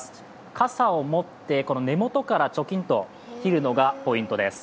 かさを持って、根元からチョキンと切るのがポイントです。